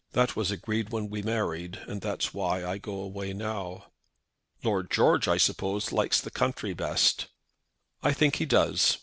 "That was agreed when we married, and that's why I go away now." "Lord George, I suppose, likes the country best?" "I think he does.